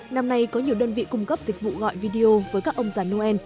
năm nay có nhiều đơn vị cung cấp dịch vụ gọi video với các ông già noel